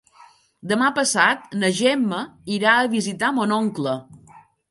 Demà passat na Gemma irà a visitar mon oncle.